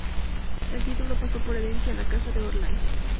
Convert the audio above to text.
El título pasó por herencia a la Casa de Orleans.